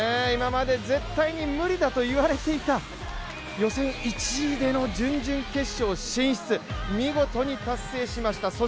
今まで絶対に無理だといわれていた予選１位での準々決勝進出、見事に達成しました。